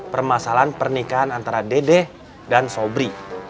permasalahan pernikahan antara dede dan sobri